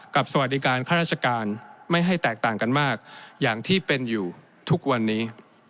สวัสดีการข้าราชการไม่ให้แตกต่างกันมากอย่างที่เป็นอยู่ทุกวันนี้